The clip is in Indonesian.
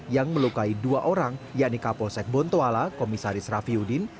yang melukai dua orang yakni kapolsek bontoala komisaris raffiudin